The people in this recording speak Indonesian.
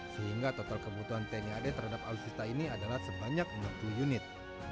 sehingga total kebutuhan tni ad terhadap alutsista ini adalah sebanyak enam puluh unit